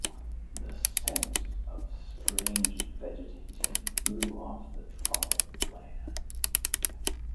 The scents of strange vegetation blew off the tropic land.